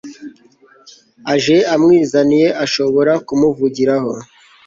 aje amwizaniye, ashobora kumuvugiraho